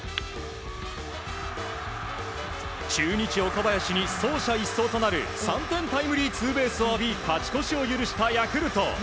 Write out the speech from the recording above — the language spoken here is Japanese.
中日、岡林に走者一掃となる３点タイムリーツーベースを浴び勝ち越しを許したヤクルト。